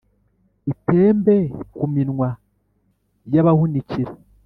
itembe ku minwa y’abahunikira.